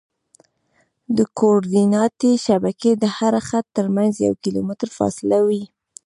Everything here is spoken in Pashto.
د کورډیناتي شبکې د هر خط ترمنځ یو کیلومتر فاصله وي